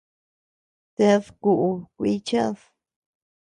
Ted kuʼu kui cheʼed.